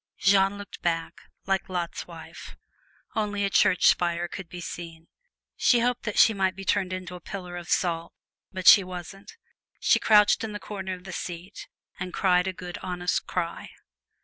Jeanne looked back, like Lot's wife: only a church spire could be seen. She hoped that she might be turned into a pillar of salt but she wasn't. She crouched into the corner of the seat and cried a good honest cry.